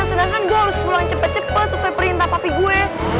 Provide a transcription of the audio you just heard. sedangkan gua harus pulang cepet cepet sesuai perintah papi gue